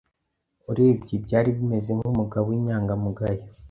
Urebye byari bimeze nkumugabo winyangamugayo